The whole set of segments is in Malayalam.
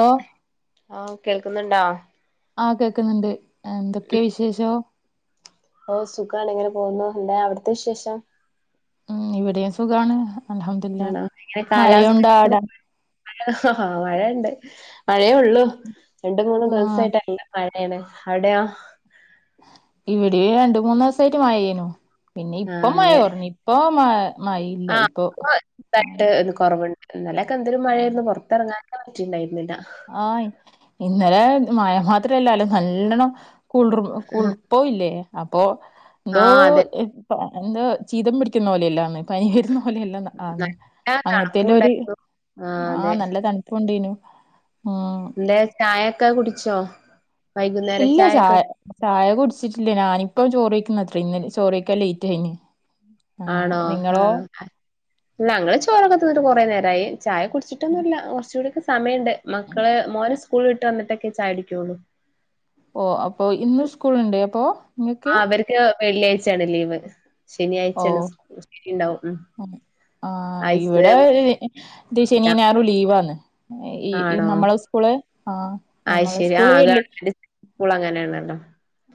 ഓ ഓഹ് കേൾക്ക്ന്നുണ്ടോ ആഹ് കേൾക്ക്‌ന്ന്ണ്ട്. എന്തൊക്കെ വിശേഷം ഓഹ് സുഖാണ് ഇങ്ങനെ പോവുന്നു. എന്താ അവിട്ത്തെ വിശേഷം ഉം ഇവിടെയും സുഖാണ് അൽഹംദുലില്ല മഴയുണ്ടോഅവിടെ. മഴ ആ മഴയുണ്ട് മഴയേ ഒള്ളു രണ്ട് മൂന്ന് ആ ദിവസായിട്ട് നല്ല മഴ. മഴേണ് അവിടെയോ ഇവിടെയും രണ്ട് മൂന്ന് ദിവസായിട്ട് മഴേയ്നു പിന്നെ ആ ഇപ്പം മഴ അതെ കൊറഞ്ഞു. ഇപ്പൊ മ മഴയില്ല ആഹ് ഇപ്പൊ ആ ഇപ്പൊഇതായിട്ട് ഒന്ന് കൊറവുണ്ട്. ഇന്നലൊക്കെ എന്തൊരു ആ മഴേയിരുന്നു. പൊറത്തെറങ്ങാൻ തന്നെ പറ്റിയിണ്ടായിരുന്നില്ല. ആഹ് ഇന്നലെ മഴ മാത്രല്ലാലോ നല്ലെണം കൂളിർ കൂ പോയില്ലേ അപ്പോ എന്തോ ആഹ് അതെ എ എന്താ ചീതം പിടിക്കുന്ന പോലെയില്ലാന്ന് പനി വരുന്ന പോലെല്ലാം ആന്ന് നല്ല തണുപ്പും അങ്ങനത്തെല്ലാം ഒരു ഉണ്ടായിരുന്നു ആഹ് നല്ല തണു [unintelligible] ആഹ് എന്തേ ചായേക്ക കുടിച്ചോ വൈകുന്നേര ഇല്ല ചായൊക്കെ ചായ ചായ കുടിച്ചിട്ടില്ലേ ഞാനിപ്പം ചോറ് കഴിക്കുന്ന [unintelligible] ചോറ് കഴിക്കാൻ ലേറ്റ് ആയിന് ആ ആണോ ആഹ് നിങ്ങളോ അഹ് ഞങ്ങള് ചോറൊക്കെ തിന്നിട്ട് കൊറേ നേരായി ചായ കുടിച്ചിട്ടൊന്നുമില്ല കുറച്ചു കൂടിയൊക്കെ സമയമുണ്ട് ഉം. മക്കള് മോന് സ്കൂളിൽ വിട്ട് വന്നിട്ടൊക്കെ ചായ കുടിക്കുള്ളൂ ഓഹ് അപ്പൊ ഇന്ന് സ്കൂളുണ്ട് അപ്പോ ആഹ് അവർക്ക് വെള്ളിയാഴ്ചയാണ് ലീവ് ഓ ശനിയാഴ്ചയാണ് [unintelligible] ഉം ആഹ് ആഴ്ച ഇവിടെ [unintelligible] ശനീം ഞായറും ലീവാന്ന് ഈ ഈ ആണോ നമ്മള സ്കൂള് ആഹ് അയ് ശരി ആഹ് ഗവൺമെന്റ് സ്കൂള് അങ്ങനെയാണല്ലോ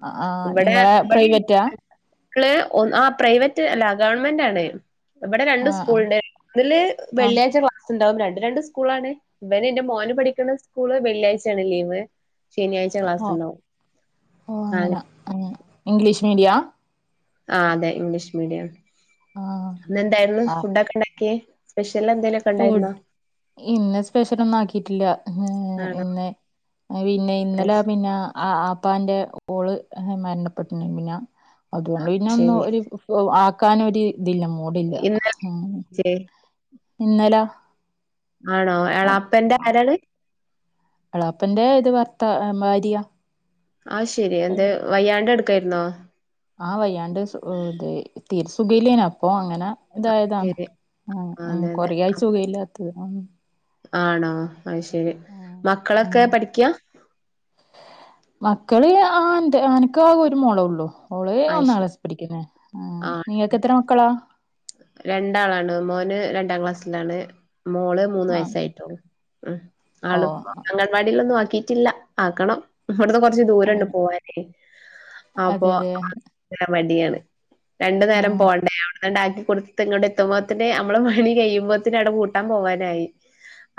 ആ ആ ഇവിടെ നിങ്ങളെ ഇവിടെ പ്രൈവറ്റാ [unintelligible] ഒൻ ആഹ് പ്രൈവറ്റ് അല്ല ഗവൺമെന്റ് ആണ് ഇവിടെ രണ്ട് ആ സ്കൂള്ണ്ട് ഒന്നില് ആ ആ വെള്ളിയാഴ്ച ക്ലാസ് സ്സ്ണ്ടാവും രണ്ട് രണ്ട് സ്കൂളാണ് ഇവന് എന്റെ മോന് പഠിക്കണ സ്കൂള് വെള്ളിയാഴ്ചയാണ് ലീവ് ശനിയാഴ്ച ഓ ക്ലാസ്സുണ്ടാവും ഓ [unintelligible] അങ്ങനെ ഉം. ഇംഗ്ലീഷ് മീഡിയാ ആഹ് അതെ ഇംഗ്ലീഷ് മീഡിയാണ് ആ ഇന്ന് എന്തായിരുന്നു ആ ഫുഡൊക്കെ ഉണ്ടാക്കിയേ സ്പെഷ്യല് എന്തേലുമൊക്കെ ഫുഡ് ഉണ്ടായിരുന്നോ ഇന്ന് സ്പെഷ്യല് ഒന്നും ആക്കിയിട്ടില്ല മ്ഹ് ആണോ ഇന്ന് പിന്നെ അത് ഇന്നല ശ- പിന്ന ആഹ് ആപ്പാന്റെ ഓള് മരണപ്പെട്ടിന് പിന്നെ അതുകൊണ്ട് പിന്നെ ഒന്നും ശരി ഒര് ആക്കാനൊരു ഇതില്ല മൂടില്ല ഇന്നലെ മ്ഹ് വിളിച്ചേ ഇന്നല ആണോ എളാപ്പാന്റെ ആരാണ് എളാപ്പന്റെ ഇത് ഭർത്ത ഭാര്യ അത് ശെരി എന്തേ വയ്യാണ്ട് കെടക്കായിരുന്നോ ആഹ് വയ്യാണ്ട് സു ഇത് തീരെ സുഖമില്ലേന് അപ്പൊ അങ്ങന ഇതായതാണ് ശരി ആഹ് ഉം അതെ അതെ കൊറേയായി സുഖമില്ലാത്തത് ഉം ആണോ അത് ശരി ഉം മക്കളൊക്കെ ഉം. പഠിക്കാ മക്കള് ആഹ് ഇണ്ട് അനക്ക് ആകെ ഒരു മോളേ ഉള്ളൂ ഓള് അത് ഒന്നാം ശരി ക്ലാസിൽ പഠിക്കുന്ന് ആഹ് നിങ്ങൾക്ക് എത്ര മക്കളാ രണ്ടാളാണ് മോന് രണ്ടാം ക്ലാസ്സിലാണ് മോള് മൂന്ന് ആ വയസ്സായിട്ടേ ഉള്ളൂ ഉം ഓ ആള് ഇപ്പൊ അംഗൻവാടിയിലൊന്നും ആക്കിയിട്ടില്ല ആക്കണം ഇവിടുന്ന് കൊറച്ച് ദൂരണ്ട് അങ്ങനെ പോവാനേ അതെ അപ്പൊ അതെ [unintelligible] മടിയാണ് രണ്ടു ആ നേരം പോണ്ടേ അവിടന്ന് കൊണ്ടാക്കി കൊടുത്ത് ഇങ്ങോട്ട് എത്തുമ്പോത്തിന് അമ്മളെ പണി കഴിയുമ്പോത്തിന് അവിടെ പൂട്ടാൻ പോവാനായി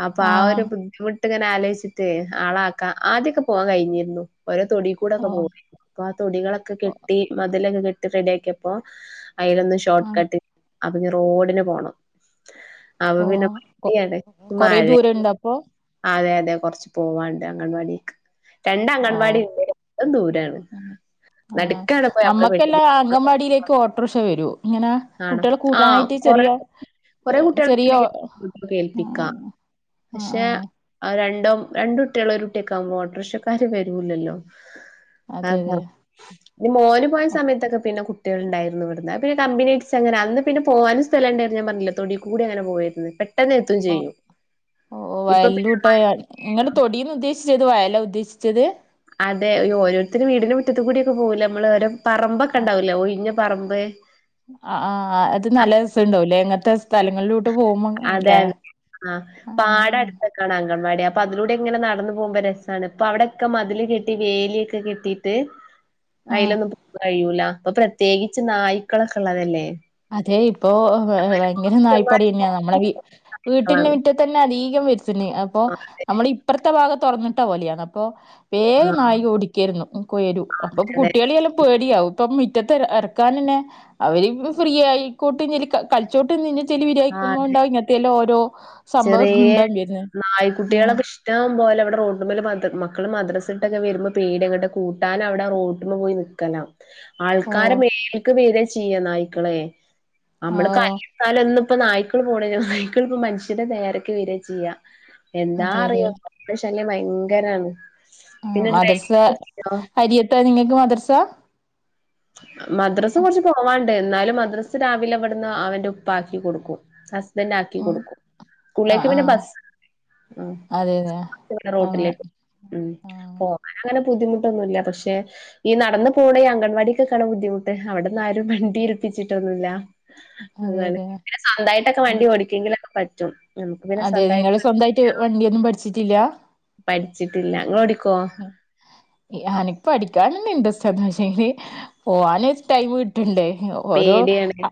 അപ്പൊ ആ ഒരു ബുദ്ധിമു ട്ട്ങ്ങനെ ആലോചിച്ചിട്ട് ആള ആക്കാൻ ആദ്യൊക്കെ പോവാൻ കഴിഞ്ഞിരുന്നു ഓരോ തൊടി ഓ കൂടൊക്കെ പോവേ അപ്പൊ ആ തൊടികളൊക്കെ കെട്ടി മതിലൊക്കെ കെട്ടി റെഡി ആക്കിയപ്പോ അതിലൊന്ന് ആ ഷോർട്ട് കട്ട് അപ്പൊ ഇനി റോഡിന് പോണം അപ്പൊ ഓ പിന്നെ മടി ആണ് മഴെ പ്പൊ ആഹ് അതെ അതെ കുറച്ച് പൂവാണ്ട് അംഗൻവാടിക്ക് രണ്ട് ഓ അംഗൻവാടി ഇണ്ട് രണ്ടും ദൂരാണ് ആ നടുക്കാണ് പോയി നമ്മള് നമ്മുക്കെല്ലാ പെട്ടിട്ട് അംഗൻവാടിയിലേക്ക് ഓട്ടറിഷ വരു ഇങ്ങനെ ആണോ കുട്ടികൾ ആഹ് കൂട്ടാനായിട്ട് കൊറേ ചെറിയ കൊറേ ചെറിയ കുട്ടികളെ കേൾപ്പിക്കാം ആഹാ പക്ഷെ ആഹാ ആ രണ്ടോ രണ്ട കുട്ടികുള്ള ഒരു കുട്ടിയൊക്കെ ആകുമ്പോ ഓട്ടറിഷക്കാര് വരൂല്ലല്ലോ ആ അതെ അതെ മോന് പോയ സമയത്തൊക്കെ പിന്നെ കുട്ടികൾ ഉണ്ടായിരുന്നു ഇവിടന്ന് പിന്നെ കമ്പിന പ അങ്ങന അന്ന് പിന്നെ പോവാനും സ്ഥം ഉണ്ടായിരുന്നു ഞാൻ പറഞ്ഞില്ല തൊടടി കൂടി അങ്ങനെ പോവായിരുന്നു പെട്ടെന്ന് എത്തും ചെയ്യും ഓ ഇപ്പൊ പിന്നെ വയലൂട്ട നിങ്ങ തൊടിയന്ന് ഉദ്ദേശ ശിച്ചത് വയലാ ഉദ്ദേശിച്ചത് അതെ ഈ ഓരോരുത്തും വീടിനന്റെ മുറ്റത്തത്ത് കൂടിയ ഒക്കെ പോകില്ല നമ്മള് ഓരോ ആ പറമ്പൊക്കെണ്ടാവൂല്ലേ ഒഴിഞ്ഞ പറമ്പ് ആ ആ അത് നല്ല രസംണ്ടാവല്ലേ എങ്ങനത്തെ സ്ഥലങ്ങളിലോട്ട് പോകുമ്പോ അല്ലെ ആഹ ആ പാട അടുത്തൊക്കാണ് അങ്കൻവാടി അപ്പൊ അതിലൂടെ ഇങ്ങനെ നടന്നു പോകുമ്പോ രസമാണ് ഇപ്പൊ അവിടെൊക്കെ മതില് കെട്ടി വേലി കെട്ടിട്ട് ആ അയിലൊന്നും കഴിയൂല അപ്പൊ പ്രത്യേകിച്ച് നായ്ക്കളൊക്കെ ഉള്ളതല്ലേ അതെ ഇപ്പോൊ ഭയങ്കര നായ്പ്പടി തന്നെയാ നമ്മളെ വീട്ടിന്റെ മക്കളാണ് മുറ്റ തന്നെ അധികം വരുത്തുന്ന അപ്പൊ ആ നമ്മൾ ഇപ്പറത്തെ ഭാഗ തുറന്നിട്ട പോലെയാണ് അപ്പൊ വേഗ ആ നായിക ഓടിക്കായിരുന്നുയരു അപ്പൊ അതെ കുട്ടികളിയെല്ലാം പേടിയാവും ഇപ്പൊ മുറ്റത്തെ ഇറക്കാൻന്നെ അവര് ഫ്രീ ആയിക്കോട്ട് ഇഞ്ഞ കളിച്ചോട്ട് നിന്നെ ചെലി ആ അതെ വിരിയക്കുമ്പോണ്ടാ ഇങ്ങത്തെല്ലാം ഓരോ സംഭവം ഉണ്ടാവും വരുന്ന നായി കുട്ടികളൊക്ക ഇഷ് റ്റം പോലെവിടെ റോട്ട്മ്മല മക്കൾ മദ്രസ ഇട്ടൊക്കെ വരുമ്പോ പേടിയാ അങ്ങട്ട കൂട്ടാ അവിടെ റോട്ടുമമ്മ പോയി നിക്കും ഗനം ഓ ആൾക്കാര മേൽക്ക് വേരെ ചെയ്യ നായ്ക്കളെ ആ നമ്മള് ഓ കല്ല് ഇടത്താലോ ഇപ്പൊ നായ്ക്കള് പോണ നായ്ക്കളിപ്പ മനുഷ്യന്റെ നേരൊക്ക വെരാ ചെയ്യ എന്താ അതെ അതെ അറിയോ പ്പം ശല്ല്യം ഭയങ്കരാണ് പിന്നെ മദ്രസ്സ ഡ്രൈവിംഗ് ഒക്കെ ചെയ്യോ അരിയത്താ നിങ്ങക്ക് മദ്രസ മദ്രസ കുറച്ച് പോവാണ്ട് എന്നാലും മദ്രസ് രാവിലെ അവിടുന്ന് അവന്റെ ഉപ്പാക്കി കൊടുക്കും ഹസ്‌ബന്റ് ആക്കി ഓ കൊടുക്കും ആ സ്കൂളിലേക്ക് ആ പിന്നെ ബസ് ഉം അതെ അതെ ആ റോട്ടിലേക്ക് ഉം ആഹ് പോകൻ അങ്ങനെ ബുദ്ധിമുട്ടൊന്നുമല്ല പക്ഷെ ഈ നടന്നു പോകണ ഈ അംഗൻവാടി ക്കാണ് ബുദ്ധിമുട്ട് അവിടന്ന ആരും വണ്ടിയേൽപ്പിച്ചിട്ടൊന്നുല്ല അതെ ന്നാലും അതെ സ്വന്തായിട്ടൊക്കെ ഉം. വണ്ടി ഓടിക്കെങ്കിലൊക്കെ പറ്റും നമുക്ക് പിന്നെ അതെ സ്വന്തമായിട്ട് നിങ്ങള്ൾ സ്വന്തമായിട്ട് വണ്ടിയൊന്നും പഠിച്ചിട്ടില്ല പഠിച്ചിട്ടില്ല ങ്ങള് ഓടിക്കോ നക്ക് പഠിക്കൻ ഇൻട്രസ്റ്റ് ഒന്നൂല്ല്യനിം പോവാൻ ടൈമ് ണ്ട് ഓരോ പേടിയാണ്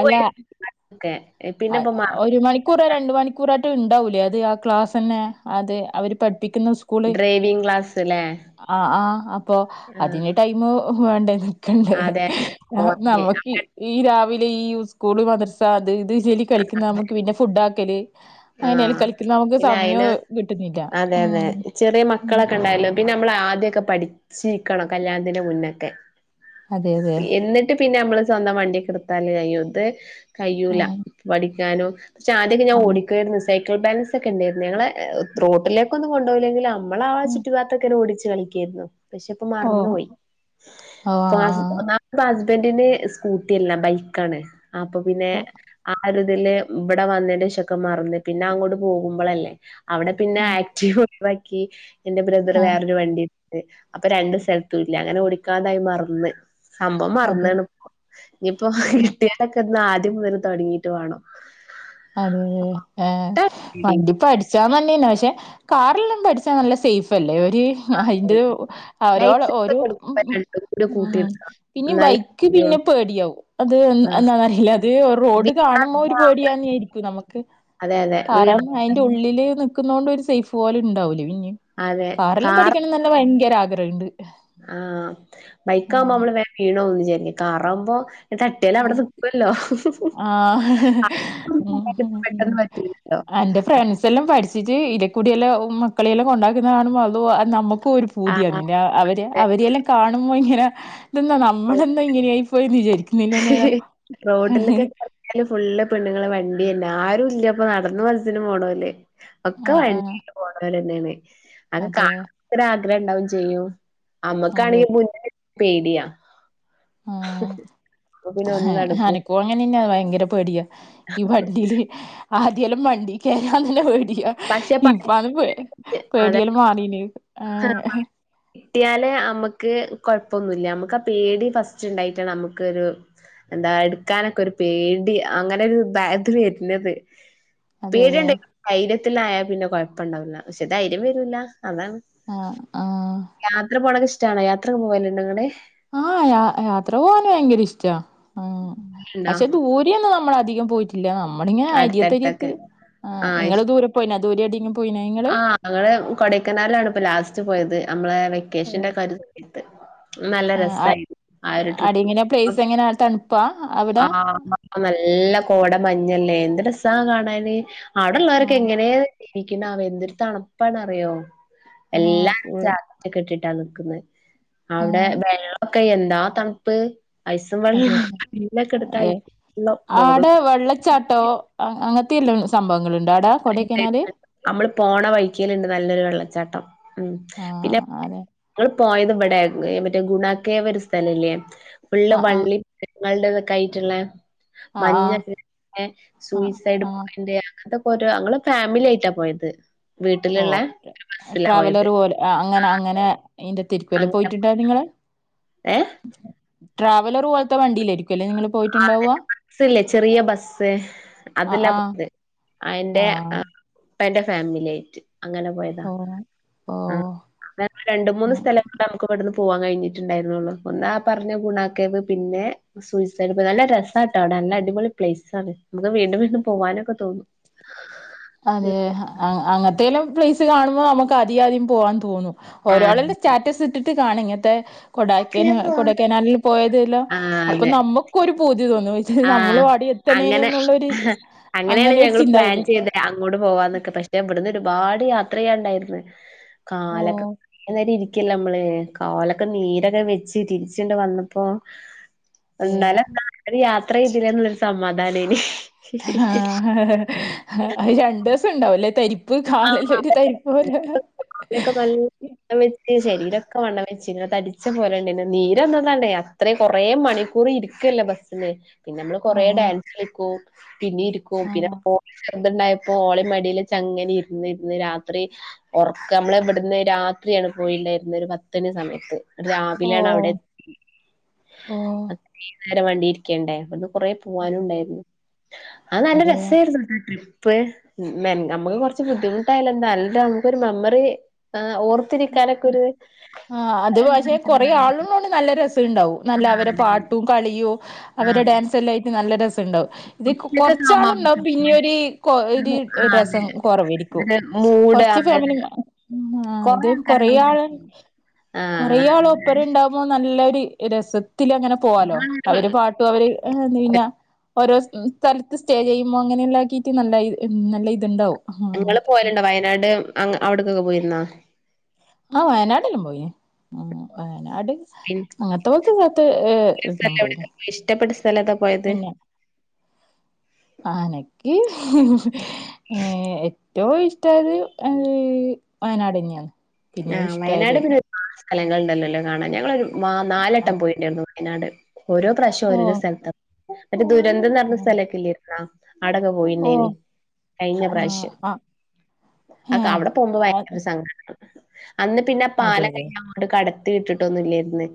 അല്ല ഓക്കെ അ ഒരു മണിക്ക് മിക്കൂറ രണ്ട മണിക്കൂറായിട്ടും ഉണ്ടാവൂില്ലേ അത് ആ ക്ലാസ് തന്നെ അത് അവര് പഠിപ്പിക്കുന്ന സ്കൂ സ്കൂ ഡ്രൈവിങ് ക്ലാസ് ല്ലേ ആ ആഹ അപ്പൊ അതിന് ടൈമ വേണ്ട ണ്ട ആ അതെ പോവാന് നമക്ക് ഈ രാവിലെ ഈ സ്കൂള് മദർസ അത് ഇത് ജലി കളിക്കുന്നത് നമുക്ക് പിന്നെ ഫുഡ് ആാക്കല് അങ്ങനൽ ആഹ് കളിക്കൽ നമുക്ക് പിന്നെ സമയം അയിന് കിട്ടുന്നില്ല അതെ അതെ ഉം ചെറിയ മക്കളൊക്കെ ഉണ്ടായല്ലോ പിന്നെ നമ്മള ആദ്യൊക്കെ പഠിച്ചിരിക്കണം കല്യാണത്തിന്റെ മുന്നൊക്കെ അതെ അതെ എന്നിട്ട് ട്ട് പിന്നെ നമ്മള് സ്വന്തം വണ്ടി എടുത്താല് കയ്യു ഇത് കയ്യൂല ആഹ് പഠിക്കാനോ പക്ഷെ ആദ്യൊക്കെ ഞാൻ ആഹ് ഓടിക്കായിരുന്നു സൈക്കിൾ ബാലൻസ് ഒക്കെ ഉണ്ടായിരുന്നു ഞങ്ങള് റോട്ടിലേക്കൊന്നും കൊണ്ടുപോയില്ലെങ്കിലും നമ്മള ചുറ്റുപാടത്തൊക്കെ ഓടിച്ച് കളിക്കായിരുന്നു പക്ഷെപ്പൊ ഓഹ് മറന്നുപോയി ഓഹ് പ്പൊ ആഹ് ഹസ്ബന്റ്ന് സ്കൂട്ടിയല്ല ബൈക്കാണ് അപ്പൊ പിന്നെ ഓഹ് ആ ഒരിതില് ഇവടെ വന്നേന്റെ ശേശൊക്കെ മറന്നു പിന്നങ്ങോട്ട് പോകുമ്പളല്ലേ അവടെ പിന്നെ ആഹ് ആക്റ്റീവ ഒഴിവാക്കി എന്റെ ബ്രദറ് ആഹ് വേറൊരു വണ്ടി അപ്പൊ രണ്ട് സ്ഥലത്തൂല്ല അങ്ങനെ ഓടിക്കാതായി മറന്ന് സംഭവം അതെ മറന്ന്ണ്പ്പോ ഇനിപ്പോ ആ. കിട്ടിയാണ്ടൊക്കൊന്ന് ആദ്യം മുതല് തുടങ്ങിട്ട് വാണം അതെ ആഹ് വണ്ടിപടി ച്ചാൻ നല്ലേന് പക്ഷെ കാറില്ലാം പഠിച്ചാ നല്ല സേഫ് അല്ലേ ഒരു അയ്ന്റെ അവരോട് ലൈസൻസ് ഓരോ ഒക്കെ എടുക്കുമ്പോ രണ്ടും കൂടി ഉം കൂട്ടിയെടുക്കണം പിന്നീം ബൈ എന്നാലേ ക്ക് പിന്നെ പേടിയാവും അത് ആ എന്താന്നറിയില്ല അത് റോഡ് വീണ കാണുമ്പോ ഒരു പേടിയാണി നമുക്ക് അതെ അതെ വീണ കാറാവുമ്പോ അയ്ന്റുള്ളില് നിക്കുന്നോണ്ടൊരു സേഫ് പോലെണ്ടാവൂലേ പിന്നീം അതെ കാറെല്ലാം കാർ പഠിക്കണംന്നല്ല ഭയങ്കര ആഗ്രഹ്ണ്ട് ആഹ് ബൈക്കാവുമ്പോ നമ്മള് വേറെ വീണോന്ന് വിചാരിക്കും കറാവുമ്പോ തട്ടിയാലും അവിടെ ആഹ് നിക്കുവല്ലോ ആഹ് ഉം പെട്ടെന്ന് പറ്റൂലല്ലോ അന്റെ ഫ്രണ്ട്സ് ഇതെല്ലാം പഠിച്ചിട്ട് ഇതേക്കൂടിയെല്ലാം മക്കളെയെല്ലാം കൊണ്ടാക്കുന്നത് കാണുമ്പോ അത നമ്മുക്ക് ഒരു പൂതിയാണ് ആഹ് നിന്റ അവര് അതെ അവരെയെല്ലാം കാണുമ്പോ ഇങ്ങനെ ഇതെന്നാ നമ്മളന്താ ഇങ്ങനെയായി പോയെന്ന് വിചാരിക്കും നിന്റെ നേരം റോഡിലൊക്കെ ഫുള്ള് പെണ്ണുങ്ങളെ വണ്ടിയെന്നെ ആരും ഇല്ലപ്പൊ നടന്ന് ബസ്സ്‌ന് പോണോല് ഒക്കെ ആ ആ വണ്ടീല് പോണോലെന്നേണ് അത് അതെ കാണു മ്പോ ആഗ്രഹംണ്ടാവും ചെയ്യും അതെ നമ്മക്കാണെങ്കി മുന്നേ പേടിയാ അപ്പൊ പിന്നെ ഒന്നും ആഹ് നടക്കൂല അനക്കോ അങ്ങനന്നെയാ ഭയങ്കര പേടിയാ ഈ വണ്ടിയില് ആദ്യെല്ലാം വണ്ടീ കേറാൻ തന്നെ പേടിയാ പക്ഷെ പഠിച്ച് ഇപ്പത് പേ അതെ പേടിയെല്ലാം മാറീന് ആഹ് കിട്ടിയാല് അമ്മക്ക് കൊഴപ്പൊന്നുല്ല നമ്മുക്കാ പേടി ഫസ്റ്റ് ഉണ്ടായിട്ടാണ് നമുക്കൊരു എന്താ എടുക്കാനൊക്കൊരു പേടി അങ്ങനെ ഒരുതായത് വരുന്നത് അതെ അതെ പേടിണ്ട ധൈര്യത്തിലായ പിന്നെ കുഴപ്പണ്ടാവില്ല പക്ഷെ ധൈര്യം വരൂല്ല അതാണ് ആഹ് ആഹ് യാത്ര പോണൊക്കിഷ്ടാണോ യാത്രൊക്കെ പോവല്ണ്ടൊങ്ങള് ആഹ് യാത്ര പോകാന് ഭയങ്കരിഷ്ടാ ആഹ് ണ്ടോ പക്ഷെ ദൂ രെന്നും നമ്മളധികം പോയിട്ടില്ല നമ്മളിങ്ങനെ അരിയത്തരിയത്ത് അടുത്തടുത്തൊക്കെ ആഹ് നിങ്ങള് ദൂരെ പോയിനാ ദൂരെ എവിടെങ്കിലും പോയീനാ നിങ്ങള് ആഹ് ഞങ്ങള് കൊടയ്ക്കനാലാണ്പ്പൊ ലാസ്റ്റ് പോയത് നമ്മളെ വെക്കേഷന്റെ ഓഹ് കാര്യത്ത് നല്ല ആഹ് രസായിരുന്നു ആഹ് ഒരു ആടെ ട്രിപ്പ് എങ്ങനെ പ്ലേസ് എങ്ങനെ തണുപ്പാ അവിടെ ആഹ് ആഹ് നല്ല കോട മഞ്ഞല്ലേ എന്ത് രസാ കാണാന് അവിടെള്ളോറൊക്കെ ആഹ് എങ്ങനേ ജീവിക്കു ക്ക്ണാവോ എന്തൊരു തണുപ്പാണറിയോ ആഹ് എല്ലാം ഫുൾ ജാക്കറ്റ് ഒക്കെ ഇട്ടിട്ടാ നിക്കുന്നേ അവിടെ ആഹ് വെള്ളൊക്കെ എന്താ തണുപ്പ് ഐസും അതെ അതെ വെള്ളംല്ലക്കെടുത്ത ഐസുവെള്ളം മുഖം ച്ചാട്ടോ അങ്ങൻത്തെയെല്ലാം സംഭവങ്ങള്ണ്ട് അവ്ടാ നമ്മള് പോണ വൈക്കല്ണ്ട് നല്ലൊരു വെള്ളച്ചാട്ടം ഉം പിന്നെ ആണ് ങ്ങള് പോയത് ഇബടെ ഏഹ് മറ്റേ ഗുണാക്കേവൊരു സ്ഥലല്ലേ? ഫുള്ള് ആഹ് ആഹ് വള്ളി [unintelligible] [unintelligible] ഇതൊക്കായ്റ്റ്ള്ള, ആഹ് മഞ്ഞൊക്കെ ആഹ് [unintelligible] ആഹ് സൂയിസൈഡ് ആഹ് പോയിന്റ് അതൊക്കോരോ അങ്ങള് ഫാമിലി ആയിട്ടാ പോയത് വീട്ടിലുള്ള ഓക്കെ ബസ്സിലാ പോയത് ട്രാവലറ് പോലെ അങ്ങനെ അങ്ങനെ ഇയ്ന്റെ തിരുക്കല്ല് പോയിട്ടുണ്ടോ നിങ്ങള്? ഏഹ്? ട്രാവലറ് പോലത്തെ വണ്ടീലായിരിക്ക്വല്ലേ നിങ്ങള് ആഹ് പോയിട്ടുണ്ടാവുക [unintelligible] ബസ്സ്ല്ലേ ചെറിയ ബസ്സ് ആ അതിലാ ആ പോയത് ആ അയിന്റെ ഉപ്പാന്റെ ഫാമിലി ആയിട്ട് അങ്ങനെ പോയതാ. ഓ ഓ ആഹ് [unintelligible] രണ്ട് മൂന്ന് ഉം. സ്ഥലങ്ങളാ നമുക്ക് ഇവടുന്ന് പൂവ്വാൻ കഴിഞ്ഞിട്ടുണ്ടായിരുന്നുള്ളു. ഒന്ന് ആഹ് പറഞ്ഞ ഗുണാക്കേവ് പിന്നെ സൂയിസൈഡ് പോയി നല്ല രസാട്ടാ അവടെ. നല്ലടിപൊളി പ്ലേസ് ആണ്. നമുക്ക് വീണ്ടും വീണ്ടും പോവാനൊക്കെ തോന്നും. അതെ അ അങ്ങനത്തേലും പ്ലേസ് കാണുമ്പോ നമുക്ക് അധികധികം പോവാൻ തോന്നും ആ ഓരോളന്റെ സ്റ്റാറ്റസ് ഇട്ടിട്ട് കാണും ഇങ്ങത്തെ കൊടാക്കന കൊടൈക്കനാലിൽ പോയതല്ലാം. ആ അപ്പോ അതെ നമ്മക്കും ഒരു പൂതിതോന്നും. വെച്ചാല് ആ നമ്മളും അടി എ അങ്ങനെ അങ്ങനെയാണ് ഒരു ഞങ്ങള് പ്ലാൻ ചിന്താഗതി ചെയ്തന് അങ്ങോട് പോവാന്നൊക്കെ. പക്ഷേ ഇവിടന്ന് ഒരുപാട് യാത്രയ്യാണ്ടായിരുന്ന്. ഓ കാലൊക്കെ കൊറേ നേരിരി ക്കില്ലേമ്മള് കാലൊക്കെ നീരൊക്കെ വെച്ച് തിരിച്ച്ണ്ട് വന്നപ്പോ അതെ എന്നാലന്താ ഒര് യാത്രയ്തില്ലേ എന്നുള്ളരു സമാധാനേന് അത് രണ്ടുസം ഉണ്ടാവുല്ലേ തരി [unintelligible] കാലൊക്കെ നൽ [unintelligible] വെച്ച് ശരീരൊക്കെ വണ്ണം വെച്ചിന്ന്. തടിച്ച പോലെണ്ടായിന്ന്. നീരന്താന്നറയാ അത്രയും കൊറെ മണിക്കൂറ് ഇരിക്കല്ലോ ബസ്സിന് പിന്നെമ്മള് കൊറേ ഓഹ് ഡാൻസ് കളിക്കും. പിന്നെ ഇരിക്കും. പിന്നെ ആഹ് [unintelligible] എന്ത്‌ണ്ടായപ്പോ ഓളീം മടിലച്ചങ്ങനെ ഇരുന്ന് ഇരുന്ന് രാത്രി ഒറക്ക മ്മള് ഇബിടുന്ന് രാത്രിയാണ് പോയിണ്ടായിരുന്ന്. ഒരു പത്തണി സമയത്ത് രാവിലെയാണ് അവിടെ ഓഹ് [unintelligible] ഓഹ് നേരം വണ്ടിയിരിക്കണ്ടേ അത് കൊറേ പൂവാനുണ്ടായിരുന്നു അത് നല്ല അതെ. രസായിരുന്നുട്ടോ ട്രിപ്പ്. മെൻ നമുക്ക് കൊറ ച്ച് ബുദ്ധിമുട്ടായാലെന്താ? [unintelligible] നമുക്കൊരു മെമ്മറി. ആഹ് ഓർത്തിരിക്കാനൊക്കെ ഒരു ആഹ് അത് ആ പക്ഷേ കൊറെ ആള് ഉള്ളോണ്ട് നല്ല രസണ്ടാവും. നല്ല അവര അതെ. പാട്ടും കളിയു ആ. അവരടെ ഡാൻസ് എല്ലാം ആയിട്ട് നല്ല രസണ്ടാവും. ഇത് കൊ ഒറ്റക്കൊക്കെ ആവുമ്പോ കൊറച്ചാള്ണ്ടാവും നമുക്ക് പിന്നിം ഒരി കൊ ഒരി പിന്നെ ആ അതെ. ഡ്രസം കൊറവേരിക്കും. ഒരു മൂഡ് കൊറച്ച് അതെ ഫാമിലി അതെ. മാ ഉം ആഹ് കൊറേ ഇത് ആൾക്കാരെ നമുക്ക് കൊറേയാൾ ഇഷ്ടമാണ്. ആ ആ കൊറേയാൾ ഒപ്പരണ്ടാവുമ്പോ നല്ല ഒര് രസത്തിലങ്ങനെ പോവാലോ. നിങ്ങള് അവര് പാട്ടും അവര് ഏഹ് [unintelligible] കഴിഞ്ഞാ ഓരോ സ് സ്ഥലത്ത് സ്റ്റേ ചെയ്യുമ്പോ അങ്ങനെല്ലാക്കിയിറ്റ് നല്ലായി. ഉം നല്ല ഇതുണ്ടാവും ഉം നിങ്ങള് പോയലുണ്ടോ? വയനാട് അവിടക്കൊക്കെ പോയിരുന്നാ? ആഹ് വയനാട് എല്ലോം പോയിന്. ആഹ് വയനാട് പിന്നെ അങ്ങത്തെ പോൽത്ത സ്ഥല ത്ത് ഏഹ് ഒരു എല്ലാം സ്ഥലം പോയിന്. എവിടൊക്കെ പോയി ഇഷ്ടപ്പെട്ട സ്ഥലം ഏതാ പോയത്? പിന്നെ അനക്കി ഏഹ് ഏറ്റവും ഇഷ്ടായത് ഏഹ് വയനാടന്നെയാണ് ആഹ് വയനാട് എന്ന് കേ സ്ഥലങ്ങള്ണ്ടല്ലോല്ലേ കാണാൻ. ഞങ്ങളൊരു വാ നാലട്ടം ആഹ് പോയിട്ട്ണ്ടായിരുന്നു വയനാട്. ഓരോ പ്രാവശ്യോ ഓരോരോ ഓഹ് സ്ഥലത്താ. മറ്റേ ദുരന്തം നടന്ന സ്ഥലൊക്കെ ഇല്ലരുന്നാ? അടൊക്കെ പോയിണ്ടേനി ഓഹ് കഴിഞ്ഞ ആഹ് പ്രാവശ്യം ആഹ് അക്ക ഏഹ് അവിട പോകുമ്പോ ഭയങ്കര സങ്കട അന്ന് പിന്നെ അതെ പാലക്ക അതെ [unintelligible] അങ്ങോട് കടത്തി വിട്ടിട്ടൊന്നുല്ലാരുന്ന്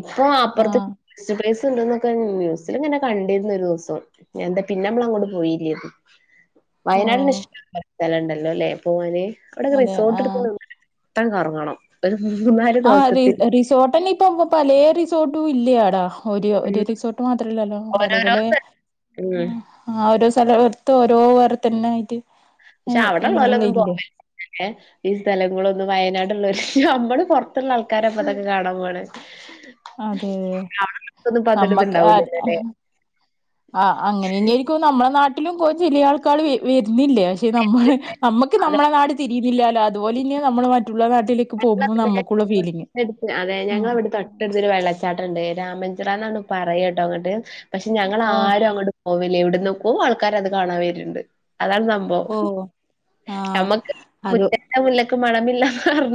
ഇപ്പൊ അപ്പുറത്ത് ആഹ് സ്റ്റ് പ്രയ്സ് ഉണ്ടൊന്നൊക്കെ നൂസിലങ്ങനെ കണ്ടിരുന്നൊരുദൊസം എന്താ പിന്നെ നമ്മള് അങ്ങോട് പോയീല്ലായിരുന്നു ഓ വയനാടില് ഇഷ്ടം [unintelligible] സ്ഥലണ്ടല്ലോലേ പോവാന് അവിടെക്കെ അതെ റിസോർട്ട് ആഹ് എടുക്ക [unintelligible] ത്തം കറങ്ങണം ഒരു മൂന്നാല് ആഹ് റിസ് ദിവസത്തിന് അ റിസോർട്ടല്ലേപ് ഇപ്പൊ പോ പലേ റിസോർട്ടും ഇല്ല്യാടാ ഒരു ഒരു ഉം റിസോർട്ട് മാത്രോല്ലല്ലോ പലേ ഓരോരോ പലേ ഉം ആ ഓരോ സ്ഥലത്ത് ഓരോ വേർ തന്നെ ആയിട്ട് പക്ഷെ അവിടെള്ള [unintelligible] ഇല്ലേ പോല [unintelligible] ല്ലേ ഈ സ്ഥലങ്ങളൊന്നും വയനാട്ള്ളവര് നമ്മള് പുറത്തുള്ള ആൾക്കാര ഇപ്പതൊക്കെ കാണാൻ പോണേ അ അതെ അതെ [unintelligible] ക്കൊന്നും പതില് ഇത് നമ്മക്ക് ഇണ്ടാവൂലല്ലേല്ലേ ആഹ് ആഹ് അങ്ങനെനേയിരിക്കും നമ്മളെ നാട്ടിലും പോയി ചിലയാൾക കാള് വെ വെരുന്നില്ലേ പക്ഷെ നമ്മള് നമ്മുക്ക് നമ്മളെ നാട് തിരി ഇല്ല്യാല അതുപോലെന്യ നമ്മള് മറ്റുള്ള നാട്ടിലേക്ക് പോകുമ്പോ ഞങ്ങളവിടെ നമ്മുക്കുള്ള ഫീലിങ് ഇവിടടുത്തൊരു വെള്ളച്ചാട്ടുണ്ട് രാമഞ്ചിറ എന്നാണ് പറയ്യ്യാട്ടോ അങ്ങട്ട് പക്ഷെ ഞങ്ങളാരും അങ്ങോട്ട് പോവില്യ ഇവിടന്ന് പോവു ആൾക്കാരത് കാണാൻ വെരുണ്ട് അതാണ് നമ്മ [unintelligible] ഞമ്മക്ക് മുറ്റത്തെ മുല്ലക്ക് മണമില്ലന്ന് പറഞ്ഞ